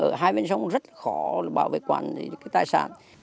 ở hai bên sông rất khó bảo vệ quản tài sản